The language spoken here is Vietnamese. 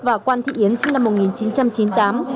và quan thị yến sinh năm một nghìn chín trăm chín mươi tám